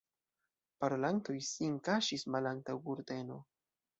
Parolantoj sin kaŝis malantaŭ kurteno.